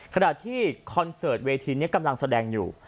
ขณะที่คอนเสิร์ตเวทีนี้กำลังแสดงอยู่